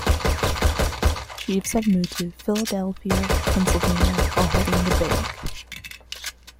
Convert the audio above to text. Cheves had moved to Philadelphia, Pennsylvania while heading the Bank.